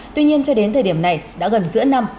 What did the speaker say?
tuy nhiên cho đến thời điểm này đã gần giữa năm